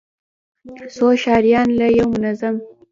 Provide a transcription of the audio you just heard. څو ښاريان له يو منظم،